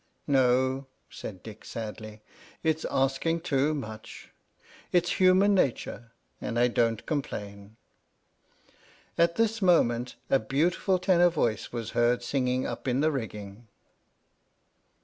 " No," said Dick, sadly, " it 's asking too much. It's human nature, and I don't complain!" At this moment, a beautiful tenor voice was heard singing up in the rigging: 18 H.